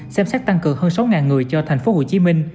xem xét tăng cường hơn sáu người cho tp hcm